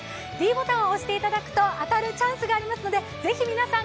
ｄボタンを押していただくと当たるチャンスがありますのでぜひ皆さん